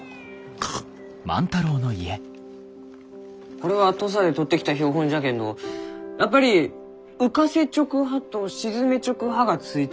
これは土佐で採ってきた標本じゃけんどやっぱり浮かせちょく葉と沈めちょく葉がついちゅう。